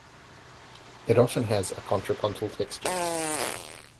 It often has a contrapuntal texture.